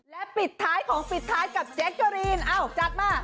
และปิดท้ายของปิดท้ายกับแจ๊กเกอรีนเอ้าจัดมา